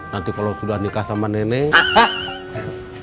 nanti kalau sudah nikah sama nenek